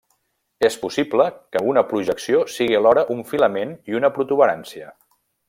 És possible que una projecció sigui alhora un filament i una protuberància.